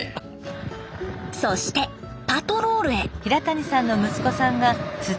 そしてパトロールへ。